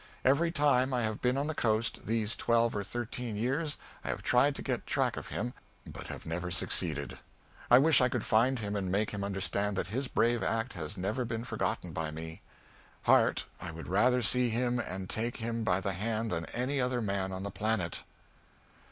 Every time I have been on the Coast, these twelve or thirteen years, I have tried to get track of him, but have never succeeded. I wish I could find him and make him understand that his brave act has never been forgotten by me. Harte, I would rather see him and take him by the hand than any other man on the planet."